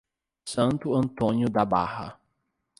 Santo Antônio da Barra